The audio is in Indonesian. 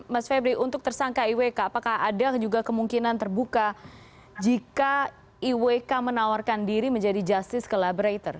mas febri untuk tersangka iwk apakah ada juga kemungkinan terbuka jika iwk menawarkan diri menjadi justice collaborator